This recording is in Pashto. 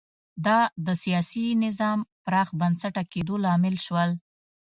دا د سیاسي نظام پراخ بنسټه کېدو لامل شول